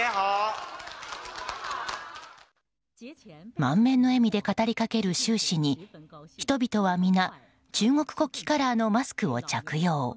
満面の笑みで語り掛ける習氏に人々はみな中国国旗カラーのマスクを着用。